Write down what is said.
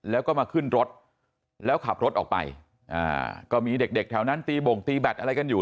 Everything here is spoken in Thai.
แล้วก็มาขึ้นรถแล้วขับรถออกไปอ่าก็มีเด็กเด็กแถวนั้นตีบ่งตีแบตอะไรกันอยู่